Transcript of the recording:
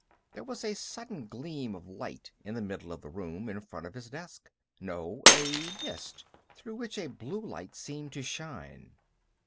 There was a sudden gleam of light in the middle of the room, in front of his desk. No, a mist, through which a blue light seemed to shine.